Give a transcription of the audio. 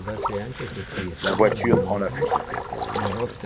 La voiture prend la fuite.